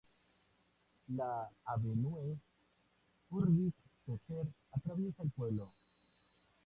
La avenue Ulric-Tessier atraviesa el pueblo.